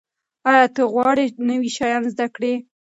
ایا ته غواړې نوي شیان زده کړې؟